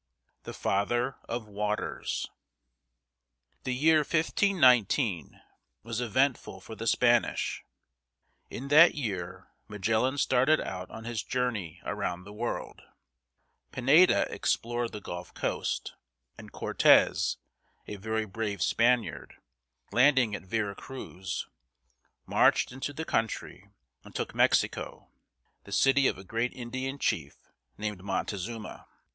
"THE FATHER OF WATERS." The year 1519 was eventful for the Spanish. In that year Magellan started out on his journey around the world, Pineda explored the Gulf coast, and Cor´tez, a very brave Spaniard, landing at Vera Cruz (vā´rah croos), marched into the country and took Mexico, the city of a great Indian chief named Mon te zu´ma.